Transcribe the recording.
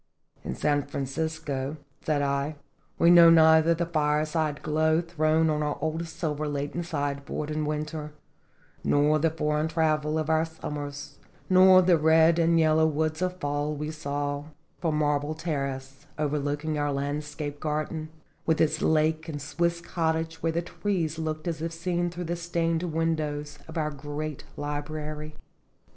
"In San Francisco," said I, "we know neither the fire side glow thrown on our old silver laden side board in winter, nor the for eign travel of our summers, nor the red and yellow woods of fall we saw from the marble terrace overlooking our landscape garden, with its lake and Swiss cottage where the trees looked as if seen through the stained windows of our great library."